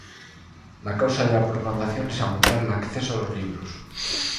La causa de la proclamación es aumentar el acceso a los libros.